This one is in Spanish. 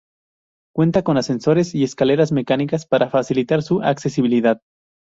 Cuenta con ascensores y escaleras mecánicas para facilitar su accesibilidad.